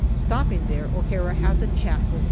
Stopping there, O'Hara has a chat with the A.